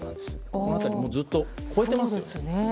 この辺り、ずっと超えていますね。